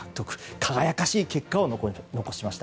輝かしい結果を残しました。